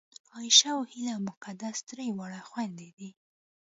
عایشه او هیله او مقدسه درې واړه خوېندې دي